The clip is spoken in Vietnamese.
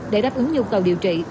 để đáp ứng nhu cầu điều trị